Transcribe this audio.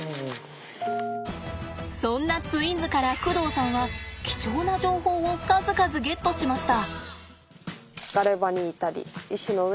そんなツインズから工藤さんは貴重な情報を数々ゲットしました。